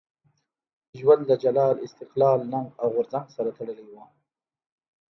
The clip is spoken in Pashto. ژوند له جلال، استقلال، ننګ او غورځنګ سره تړلی وو.